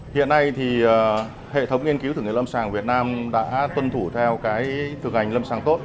hiện nay thì hệ thống nghiên cứu thử nghiệm lâm sàng việt nam đã tuân thủ theo cái thực hành lâm sàng tốt